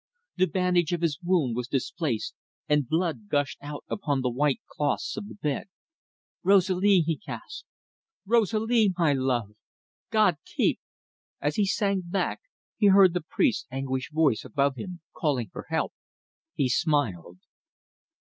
The bandage of his wound was displaced, and blood gushed out upon the white clothes of the bed. "Rosalie!" he gasped. "Rosalie, my love! God keep..." As he sank back he heard the priest's anguished voice above him, calling for help. He smiled.